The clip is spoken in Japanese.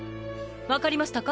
分かりましたか？